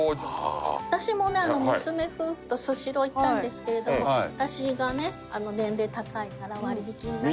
私もね娘夫婦とスシロー行ったんですけれども私がね年齢高いから割引になって。